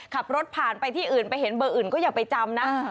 ขับรถผ่านไปที่อื่นไปเห็นเบอร์อื่นก็อย่าไปจำนะ